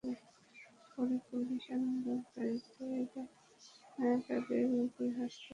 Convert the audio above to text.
পরে পুলিশ আন্দোলনকারীদের বের করে হাসপাতালের প্রধান ফটকে তালা লাগিয়ে দেয়।